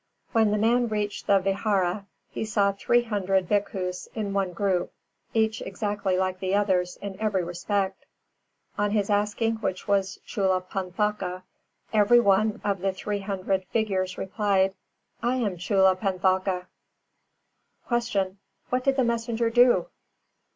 When the man reached the Vihāra, he saw three hundred bhikkhus in one group, each exactly like the others in every respect. On his asking which was Chullapanthaka, every one of the three hundred figures replied: "I am Chullapanthaka." 351. Q. _What did the messenger do?